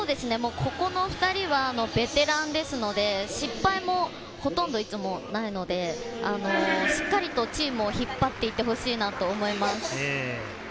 ここの２人はベテランですので、失敗もほとんどないので、しっかりとチームを引っ張っていってほしいなと思います。